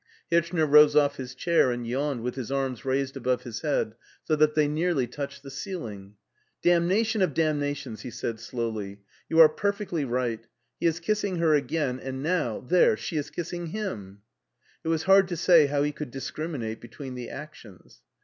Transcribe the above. Hirchner rose off his chair and yawned with his arms raised above his head so that they nearly touched the ceiling. " Damnation of damnations! '' he said slowly; *' you are perfectly right — ^he is kissing her again, and now, there, she is kissing him/' It was hard to say how he could discriminate between the actions.